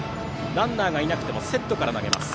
ランナーがいなくてもセットから投げます。